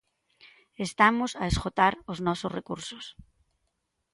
Estamos a esgotar os nosos recursos.